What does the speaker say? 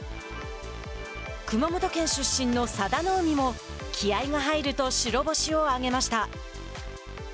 熊本県出身の佐田の海も気合いが入ると白星を挙げました。